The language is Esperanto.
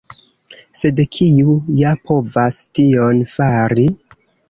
Sed kiu ja povas tion fari?